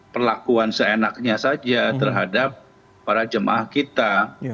perlakuan seenaknya saja terhadap para jemaah kita